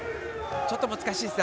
ちょっと難しいですね